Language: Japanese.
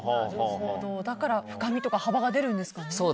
だから、深みとか幅が出るんですかね。